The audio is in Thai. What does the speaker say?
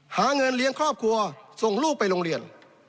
หาเงินเลี้ยงครอบครัวส่งลูกไปโรงเรียน